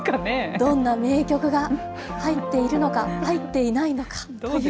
どんな名曲が入っているのか、入っていないのかという。